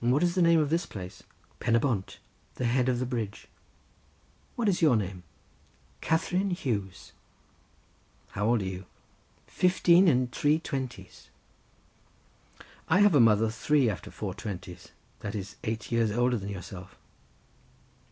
"And what is the name of this place?" "Pen y bont—the head of the bridge." "What is your own name?" "Catherine Hughes." "How old are you?" "Fifteen after three twenties." "I have a mother three after four twenties; that is eight years older than yourself."